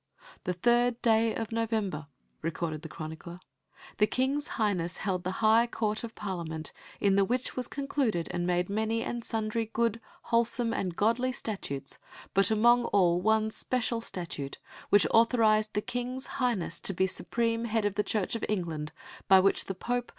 "The third day of November," recorded the chronicler, "the King's Highness held the high Court of Parliament, in the which was concluded and made many and sundry good, wholesome, and godly statutes, but among all one special statute which authorised the King's Highness to be supreme head of the Church of England, by which the Pope